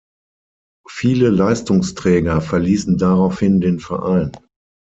Viele Leistungsträger verließen daraufhin den Verein.